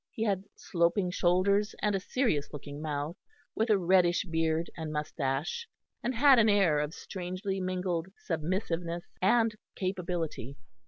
He had sloping shoulders and a serious looking mouth, with a reddish beard and moustache, and had an air of strangely mingled submissiveness and capability.